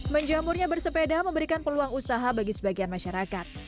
menjamurnya bersepeda memberikan peluang usaha bagi sebagian masyarakat